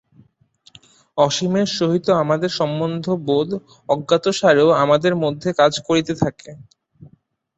অসীমের সহিত আমাদের সম্বন্ধ-বোধ অজ্ঞাতসারেও আমাদের মধ্যে কাজ করিতে থাকে।